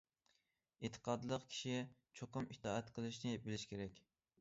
ئېتىقادلىق كىشى چوقۇم ئىتائەت قىلىشنى بىلىشى كېرەك.